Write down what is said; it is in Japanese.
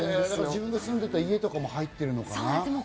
自分が住んでた家とかも入ってるのかな？